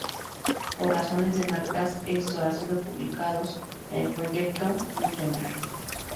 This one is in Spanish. Por razones de marcas esto ha sido publicados en el Proyecto Gutenberg.